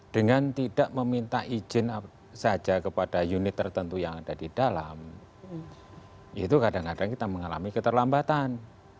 dengan tidak meminta izin saja kepada unit tertentu yang ada di dalam itu kadang kadang kita mengalami keterlambatan